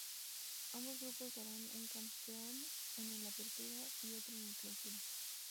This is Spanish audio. Ambos grupos darán un campeón en el Apertura y otro en el Clausura.